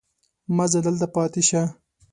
مه ځه دلته پاتې شه.